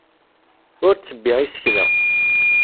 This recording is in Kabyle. Ur ttebbiɣ isekla.